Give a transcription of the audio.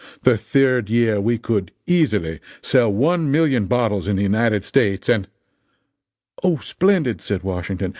The third year we could easily sell 1,000,000 bottles in the United States and " "O, splendid!" said Washington.